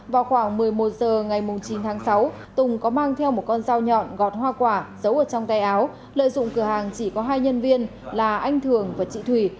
vào khoảng một mươi một h ngày chín tháng sáu tùng có mang theo một con dao nhọn gọt hoa quả giấu ở trong tay áo lợi dụng cửa hàng chỉ có hai nhân viên là anh thường và chị thủy